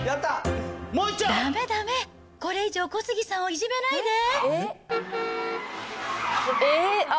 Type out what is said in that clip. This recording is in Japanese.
だめだめ、これ以上小杉さんをいじめないで。